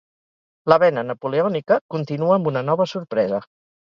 La vena napoleònica continua amb una nova sorpresa.